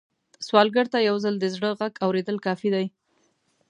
سوالګر ته یو ځل د زړه غږ اورېدل کافي دي